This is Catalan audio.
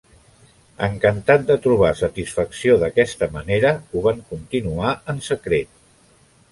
Encantat de trobar satisfacció d'aquesta manera, ho van continuar en secret.